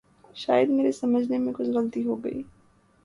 شاید میرے سمجھنے میں کچھ غلطی ہو گئی۔